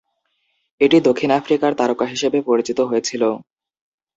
এটি দক্ষিণ আফ্রিকার তারকা হিসাবে পরিচিত হয়েছিল।